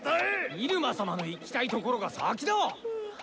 入間様の行きたいところが先だ！